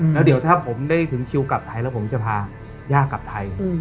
แล้วเดี๋ยวถ้าผมได้ถึงคิวกลับไทยแล้วผมจะพาย่ากลับไทย